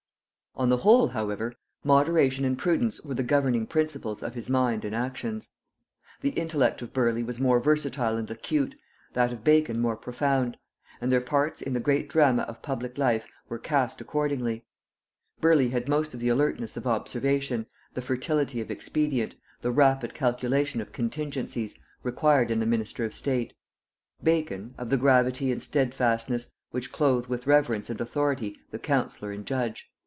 On the whole, however, moderation and prudence were the governing principles of his mind and actions. The intellect of Burleigh was more versatile and acute, that of Bacon more profound; and their parts in the great drama of public life were cast accordingly: Burleigh had most of the alertness of observation, the fertility of expedient, the rapid calculation of contingencies, required in the minister of state; Bacon, of the gravity and steadfastness which clothe with reverence and authority the counsellor and judge.